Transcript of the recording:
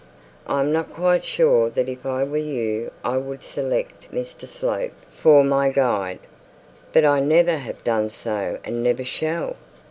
'I am not quite sure that if I were you I would select Mr Slope for my guide.' 'But I have never done so, and never shall.'